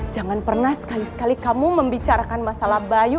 jangan pernah sekali sekali kamu membicarakan masalah bayu